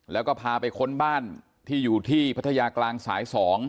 แล้วก็พาไปค้นบ้านที่อยู่ที่พัทยากลางสาย๒